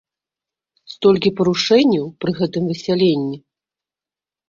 Столькі парушэнняў пры гэтым высяленні!